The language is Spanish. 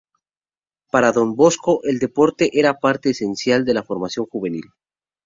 Para Don Bosco el deporte era parte esencial de la formación juvenil.